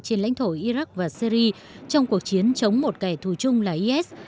trên lãnh thổ iraq và syri trong cuộc chiến chống một kẻ thù chung là is